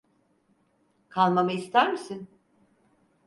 Kalmamı ister misin?